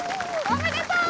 おめでとう！